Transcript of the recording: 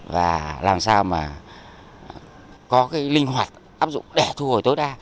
và làm sao mà có cái linh hoạt áp dụng để thu hồi tối đa